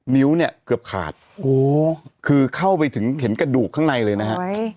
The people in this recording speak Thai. นิ้วเนี่ยเกือบขาดโอ้โหคือเข้าไปถึงเห็นกระดูกข้างในเลยนะฮะ